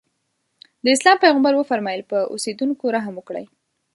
د اسلام پیغمبر وفرمایل په اوسېدونکو رحم وکړئ.